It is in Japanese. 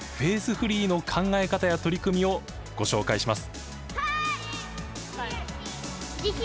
フリーの考え方や取り組みをご紹介します！